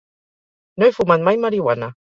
No he fumat mai marihuana